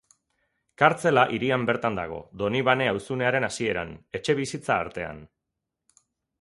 Kartzela hirian bertan dago, Donibane auzunearen hasieran, etxebizitza artean.